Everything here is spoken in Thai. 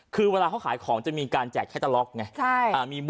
คือเวลาเขาขายของจะมีการแจกแค่ตาล็อกไง